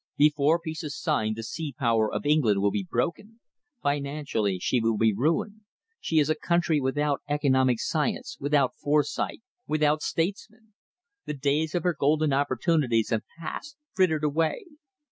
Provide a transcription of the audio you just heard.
"Before peace is signed the sea power of England will be broken. Financially she will be ruined. She is a country without economic science, without foresight, without statesmen. The days of her golden opportunities have passed, frittered away.